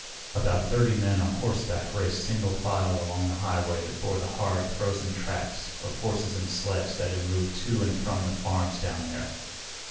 About thirty men on horseback raced single file along the highway that bore the hard, frozen tracks of horses and sleds that had moved to and from the farms down there.